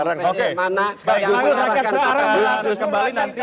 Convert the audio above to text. sekarang kita akan kembali nanti